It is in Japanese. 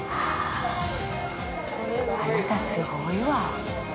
あなた、すごいわ。